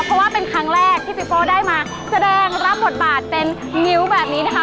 เพราะว่าเป็นครั้งแรกที่พี่โป้ได้มาแสดงรับบทบาทเป็นงิ้วแบบนี้นะคะ